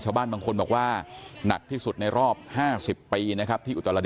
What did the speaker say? ชาวบ้านบางคนบอกว่าหนักที่สุดในรอบ๕๐ปีนะครับที่อุตรดิ